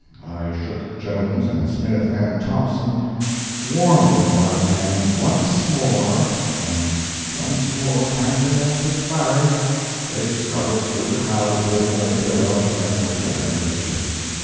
I shook Jones, and Smith, and Thompson, warmly by the hand once more, and once more, panting and perspiring, they struggled through the crowd to bid another farewell to friends at the other end of the ship.